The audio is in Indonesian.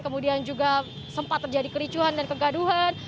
kemudian juga sempat terjadi kericuhan dan kegaduhan